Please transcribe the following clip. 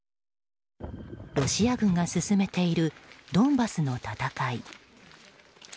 ロシア軍が進めているドンバスの戦い。